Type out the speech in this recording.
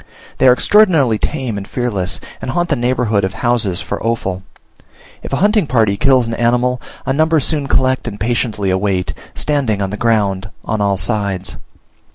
They are extraordinarily tame and fearless, and haunt the neighborhood of houses for offal. If a hunting party kills an animal, a number soon collect and patiently await, standing on the ground on all sides.